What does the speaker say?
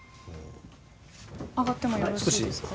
上がってもよろしいですか？